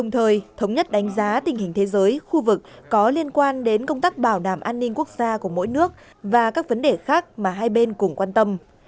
thống nhất đánh giá tình hình thế giới khu vực có liên quan đến công tác bảo đảm an ninh quốc gia của mỗi nước và các vấn đề khác mà hai bên cùng quan tâm